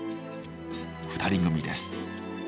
２人組です。